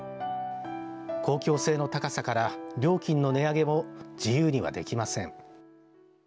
公共性の高さから料金の値上げも自由にはできません。